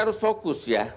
harus fokus ya